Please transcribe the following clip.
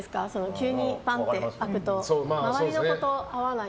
急にパンって空くと周りの子と合わない。